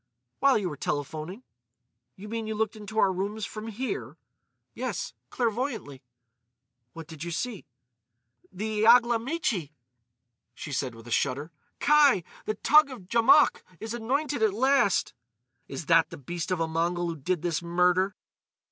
"While you were telephoning." "You mean you looked into our rooms from here?" "Yes, clairvoyantly." "What did you see?" "The Iaglamichi!" she said with a shudder. "Kai! The Toug of Djamouk is anointed at last!" "Is that the beast of a Mongol who did this murder?"